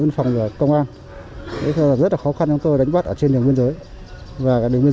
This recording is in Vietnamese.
biên phòng và công an rất là khó khăn cho chúng tôi đánh bắt ở trên đường biên giới và đường biên